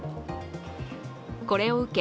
これを受け